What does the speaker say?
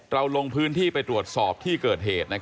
ลงพื้นที่ไปตรวจสอบที่เกิดเหตุ